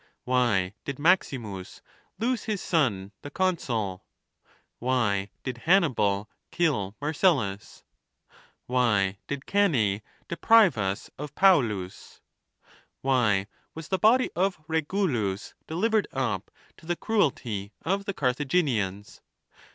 Why did Maxinius' lose his son, the consul ? Why did Hanni bal kill Marcellus ? Why did Cannae deprive us of Pau lus ? Why was the body of Regulus delivered up to the cruelty of the Carthaginians